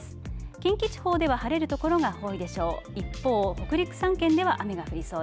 近畿地方では晴れる所が多いでしょう。